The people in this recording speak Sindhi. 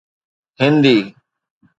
هندي